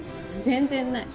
全然ない。